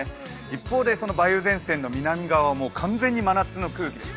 一方、梅雨前線の南側は完全に真夏の空気です。